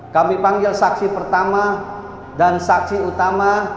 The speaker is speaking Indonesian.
kami panggil saksi pertama dan saksi utama